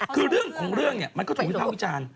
คือเรื่องของเรื่องเนี่ยมันก็ถูกวิภาควิจารณ์